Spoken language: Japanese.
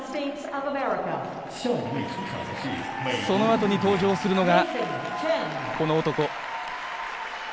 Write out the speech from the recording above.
その後に登場するのがこの男。